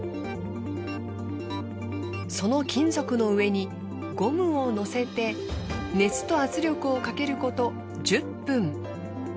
その金属の上にゴムをのせて熱と圧力をかけること１０分。